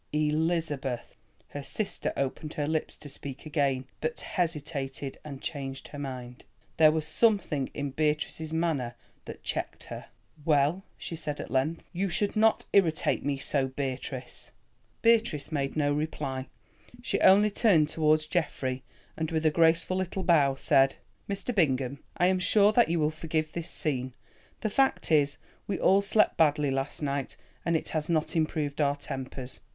"Elizabeth." Her sister opened her lips to speak again, but hesitated, and changed her mind. There was something in Beatrice's manner that checked her. "Well," she said at length, "you should not irritate me so, Beatrice." Beatrice made no reply. She only turned towards Geoffrey, and with a graceful little bow, said: "Mr. Bingham, I am sure that you will forgive this scene. The fact is, we all slept badly last night, and it has not improved our tempers."